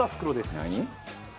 何？